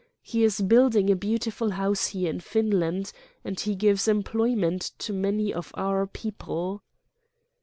He is build ing a beautiful house here in Finland, and he gives employment to many of our people.